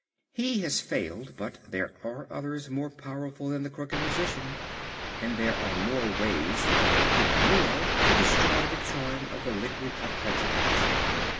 He has failed, but there are others more powerful than the Crooked Magician, and there are more ways than Dr. Pipt knew of to destroy the charm of the Liquid of Petrifaction.